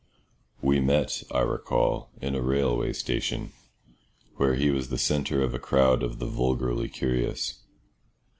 We met, I recall, in a railway station, where he was the centre of a crowd of the vulgarly curious.